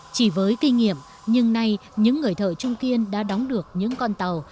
chỉ với kinh nghiệm nhưng nay những người thợ trung kiên đã đóng được những con tàu